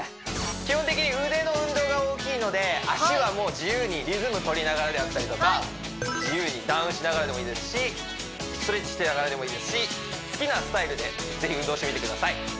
基本的に腕の運動が大きいので足はもう自由にリズム取りながらであったりとか自由にダウンしながらでもいいですしストレッチしながらでもいいですし好きなスタイルでぜひ運動してみてください